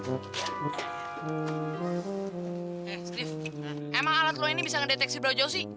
steve emang alat lo ini bisa ngedeteksi berapa jauh sih